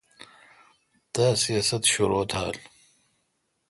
تا سیاست شرو تھال۔